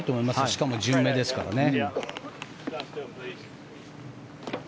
しかも順目ですからね。